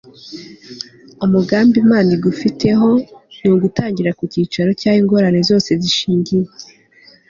umugambi imana igufitiye ni ugutangirira ku cyicaro cy'aho ingorane zose zishingiye